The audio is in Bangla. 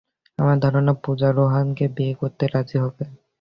আমার ধারণা, পূজা রোহানকে বিয়ে করতে রাজি হবে।